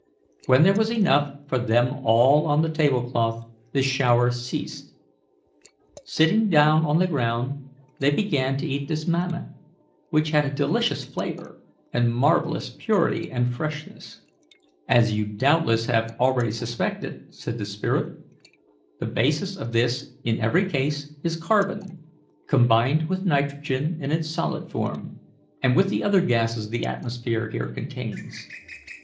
When there was enough for them all on the table cloth the shower ceased. Sitting down on the ground, they began to eat this manna, which had a delicious flavour and marvellous purity and freshness. "As you doubtless have already suspected," said the spirit, "the basis of this in every case is carbon, combined with nitrogen in its solid form, and with the other gases the atmosphere here contains.